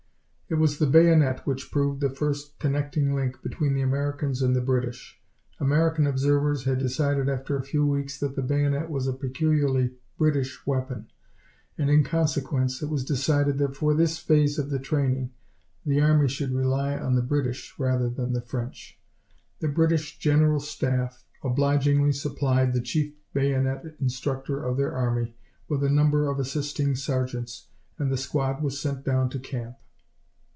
It was the bayonet which proved the first connecting link between the Americans and the British. American observers had decided after a few weeks that the bayonet was a peculiarly British weapon, and in consequence it was decided that for this phase of the training, the army should rely on the British rather than the French. The British General Staff obligingly supplied the chief bayonet instructor of their army with a number of assisting sergeants, and the squad was sent down to camp.